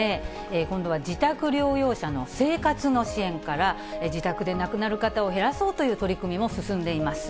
今度は自宅療養者の生活の支援から、自宅で亡くなる方を減らそうという取り組みも進んでいます。